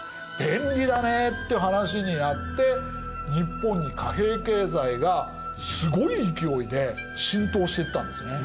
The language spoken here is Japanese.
便利だね」って話になって日本に貨幣経済がすごい勢いで浸透していったんですね。